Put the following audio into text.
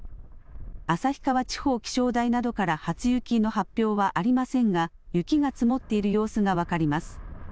旭川地方気象台などから初雪の発表はありませんが、雪が積もっている様子が分かります。